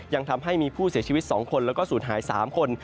ยังทำให้มีผู้เสียชีวิต๒คนและสูญหาย๓คน